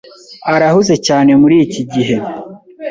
arahuze cyane muriki gihe.